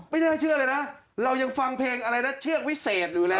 ไม่น่าเชื่อเลยนะเรายังฟังเพลงอะไรนะเชือกวิเศษอยู่แล้ว